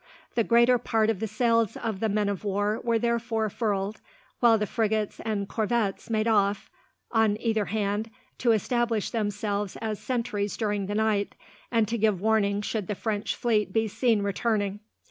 The greater part of the sails of the men of war were therefore furled, while the frigates and corvettes made off, on either hand, to establish themselves as sentries during the night, and to give warning should the French fleet be seen returning.